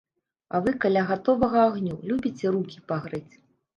А вы каля гатовага агню любіце рукі пагрэць.